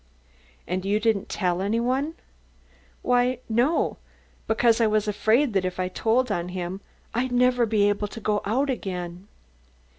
"And you didn't tell anyone?" "Why, no; because I was afraid that if I told on him, I'd never be able to go out again."